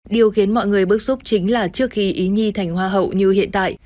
điều khiến mọi người bức xúc chính là trước khi ý nhi thành hoa hậu như hiện tại